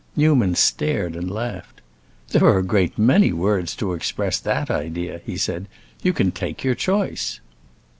Newman stared and laughed. "There are a great many words to express that idea," he said; "you can take your choice!"